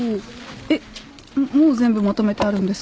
えっもう全部まとめてあるんですか？